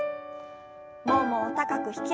ももを高く引き上げて。